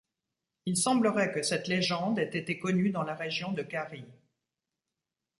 Il semblerait que cette légende ait été connue dans la région de Carie.